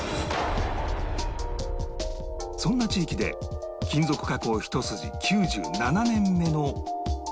そんな地域で金属加工一筋９７年目の